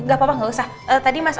om ruangan mama di mana